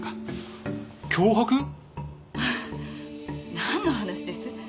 なんの話です？